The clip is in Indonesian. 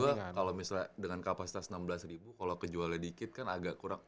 maksud gue kalo misalnya dengan kapasitas enam belas kalo kejualan dikit kan agak kurang